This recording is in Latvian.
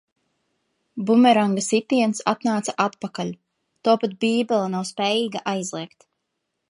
Bumeranga sitiens atnāca atpakaļ. To pat Bībele nav spējīga aizliegt.